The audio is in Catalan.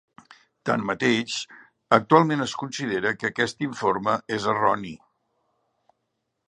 Tanmateix, actualment es considera que aquest informe és erroni.